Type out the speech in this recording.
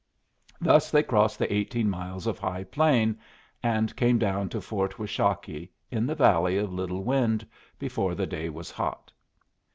Thus they crossed the eighteen miles of high plain, and came down to Fort Washakie, in the valley of Little Wind, before the day was hot.